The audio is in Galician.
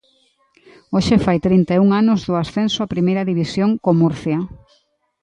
Hoxe fai trinta e un anos do ascenso a Primeira División co Murcia.